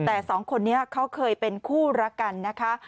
แต่สองคนนี้เขาเคยเป็นคู่รักกันนะคะ